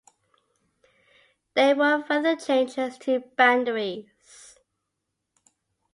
There were further changes to boundaries.